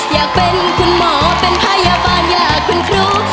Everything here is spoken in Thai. อยากเป็นคุณหมอเป็นพยาบาลอยากคุณครู